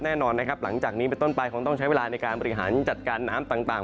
แน่นอนนะครับหลังจากนี้เป็นต้นไปคงต้องใช้เวลาในการบริหารจัดการน้ำต่าง